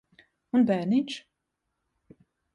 Un bērniņš?